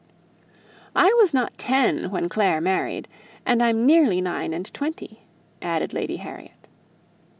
"I was not ten when Clare married, and I'm nearly nine and twenty," added Lady Harriet.